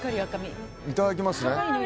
いただきますね。